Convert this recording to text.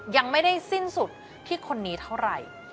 ยังไม่ได้สิ้นสุดที่คนนี้เท่าไหร่